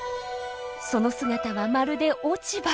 その姿はまるで落ち葉。